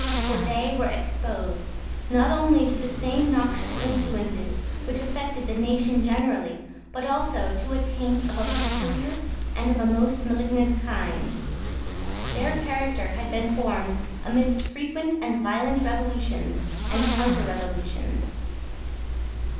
For they were exposed, not only to the same noxious influences which affected the nation generally, but also to a taint of a peculiar and of a most malignant kind. Their character had been formed amidst frequent and violent revolutions and counterrevolutions.